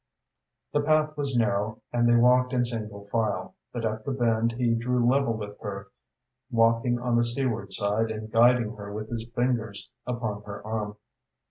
The path was narrow and they walked in single file, but at the bend he drew level with her, walking on the seaward side and guiding her with his fingers upon her arm.